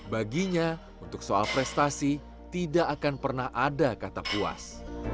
baginya untuk soal prestasi tidak akan pernah ada kata puas